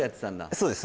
そうです